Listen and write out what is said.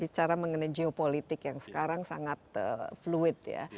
bicara mengenai geopolitik yang sekarang sangat fluid ya